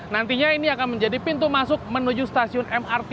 nantinya ini akan menjadi pintu masuk menuju stasiun mrt